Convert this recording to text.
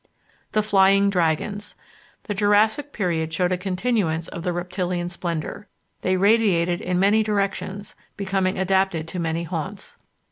The Flying Dragons The Jurassic period showed a continuance of the reptilian splendour. They radiated in many directions, becoming adapted to many haunts.